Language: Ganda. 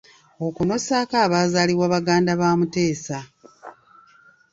Okwo n'ossaako abaazaalibwa baganda ba Mutesa.